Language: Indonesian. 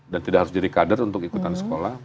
tidak harus jadi kader untuk ikutan sekolah